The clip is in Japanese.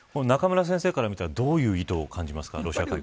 中村先生から見たらどういう意図を感じますか。